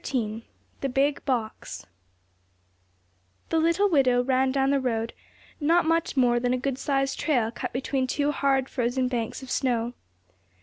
XIII THE BIG BOX The little widow ran down the road, not much more than a good sized trail cut between two hard, frozen banks of snow.